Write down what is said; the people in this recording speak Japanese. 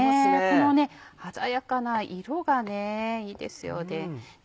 この鮮やかな色がいいですよね。